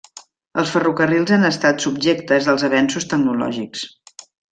Els ferrocarrils han estat subjectes dels avenços tecnològics.